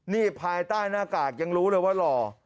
นี่ภายใต้หน้ากากยังรู้เลยว่าหล่อ